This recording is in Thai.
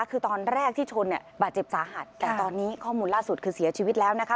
คือตอนแรกที่ชนเนี่ยบาดเจ็บสาหัสแต่ตอนนี้ข้อมูลล่าสุดคือเสียชีวิตแล้วนะคะ